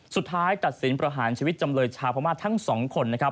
สุดท้ายตัดสินประหารชีวิตจำเลยชาวภาคมาทั้ง๒คน